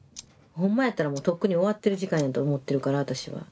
ほんまやったらもうとっくに終わってる時間やと思ってるから私は。